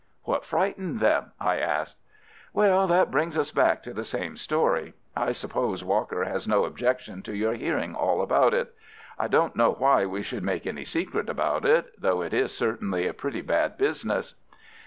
"What frightened them?" I asked. "Well, that brings us back to the same story. I suppose Walker has no objection to your hearing all about it. I don't know why we should make any secret about it, though it is certainly a pretty bad business."